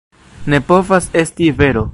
Ne povas esti vero!